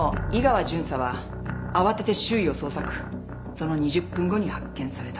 その２０分後に発見された。